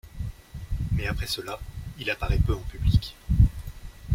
Mais après cela, il apparaît peu en public.